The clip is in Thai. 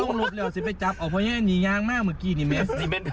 นี่คิดก็ไม่เห็น